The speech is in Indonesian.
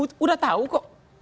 sudah tahu kok